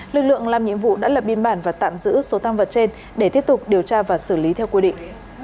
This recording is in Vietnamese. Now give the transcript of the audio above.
lực lượng làm nhiệm vụ đã lập biên bản và tạm giữ số tăng vật trên để tiếp tục điều tra và xử lý theo quy định